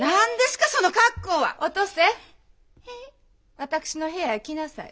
私の部屋へ来なさい。